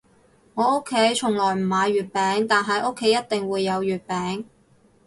我屋企從來唔買月餅，但係屋企一定會有月餅